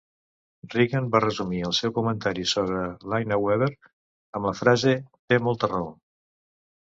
Reagan va resumir el seu comentari sobre Linaweaver amb la frase: Té molta raó!